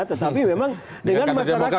tetapi memang dengan masyarakat